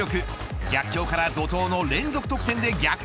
逆境から怒濤の連続得点で逆転。